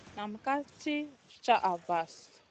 Nam ka sli caha vahl.